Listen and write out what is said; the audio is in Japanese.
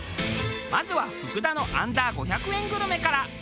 まずは福田のアンダー５００円グルメから。